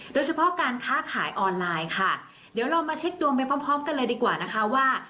โดยเฉพาะการค้าขายออนไลน์ค่ะเดี๋ยวเรามาเช็คดวงไปพร้อมพร้อมกันเลยดีกว่านะคะว่า